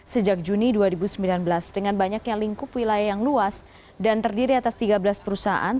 sejak juni dua ribu sembilan belas dengan banyaknya lingkup wilayah yang luas dan terdiri atas tiga belas perusahaan